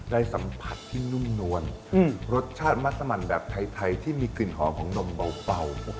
ได้สัมผัสที่นุ่มนวลรสชาติมัสมันแบบไทยที่มีกลิ่นหอมของนมเบา